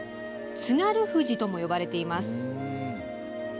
津軽富士とも呼ばれています。